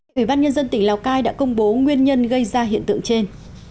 thủy văn nhân dân tỉnh lào cai đã công bố nguyên nhân gây ra hiện tượng trên